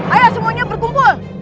ayo semuanya berkumpul